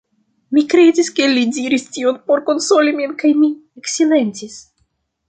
Mi kredis, ke li diris tion por konsoli min kaj mi eksilentis.